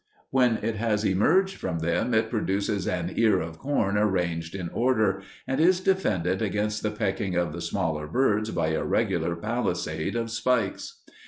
When it has emerged from them it produces an ear of corn arranged in order, and is defended against the pecking of the smaller birds by a regular palisade of spikes.